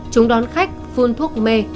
chúng đón khách phun thuốc mê